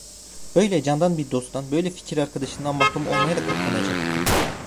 Böyle candan bir dosttan, böyle bir fikir arkadaşından mahrum olmaya da katlanacağım…